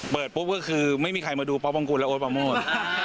ปุ๊บก็คือไม่มีใครมาดูป๊อบองกุลและโอ๊ตประโมท